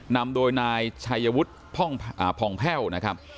นำโดยนายชัยวุฒิพองแพ่วนะครับ